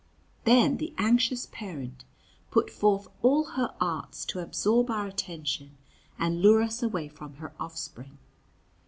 Then the anxious parent put forth all her arts to absorb our attention and lure us away from her offspring.